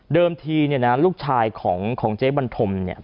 เดิมทีลูกชายของเจ๊บันธมเนี่ย